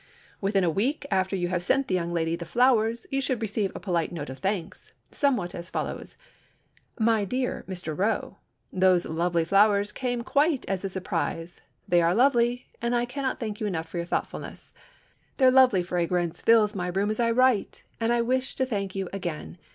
Within a week after you have sent the young lady the flowers, you should receive a polite note of thanks, somewhat as follows: "My dear Mr. Roe: Those lovely flowers came quite as a surprise. They are lovely, and I cannot thank you enough for your thoughtfulness. Their lovely fragrance fills my room as I write, and I wish to thank you again.